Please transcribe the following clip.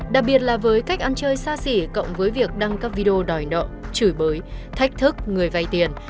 đặc biệt là với cách ăn chơi xa xỉ cộng với việc đăng các video đòi nợ chửi bới thách thức người vay tiền